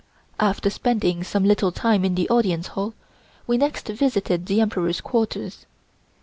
After spending some little time in the Audience Hall, we next visited the Emperor's quarters.